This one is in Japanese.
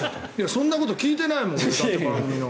そんなこと聞いてないもん